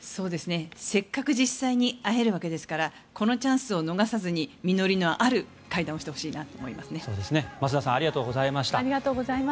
せっかく実際に会えるわけですからこのチャンスを逃さずに実りのある会談をしてほしいなと思います。